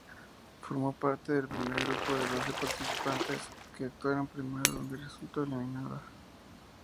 Formó parte del primer grupo de doce participantes que actuaron primero, donde resultó eliminada.